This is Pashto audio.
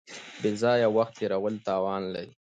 بې ځایه وخت تېرول تاوان لري.